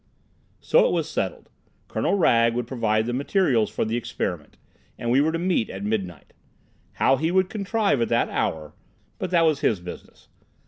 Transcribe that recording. So it was finally settled. Colonel Wragge would provide the materials for the experiment, and we were to meet at midnight. How he would contrive at that hour—but that was his business.